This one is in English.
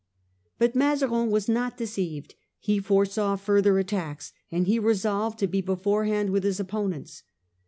But Mazarin was not deceived. He foresaw further attacks; and he resolved to be beforehand with his Mazarin's opponents.